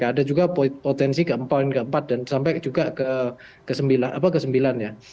ada juga potensi keempat dan sampai juga ke sembilan ya